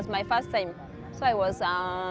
saya pernah menggunakan nama toraja